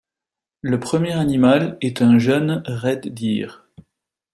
Le premier animal est un jeune red deer.